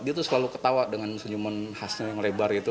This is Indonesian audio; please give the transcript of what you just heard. dia tuh selalu ketawa dengan senyuman khasnya yang lebar gitu